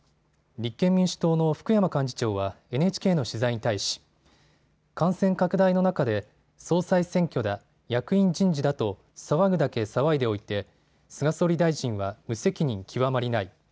立憲民主党の福山幹事長はＮＨＫの取材に対し感染拡大の中で総裁選挙だ、役員人事だと騒ぐだけ騒いでおいて菅総理大臣は無責任、極まりない。